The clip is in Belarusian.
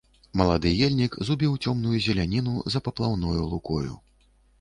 Малады ельнік зубіў цёмную зеляніну за паплаўною лукою.